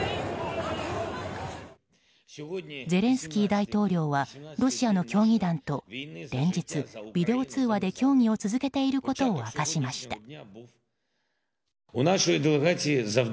ゼレンスキー大統領はロシアの協議団と連日ビデオ通話で協議を続けていることを明かしました。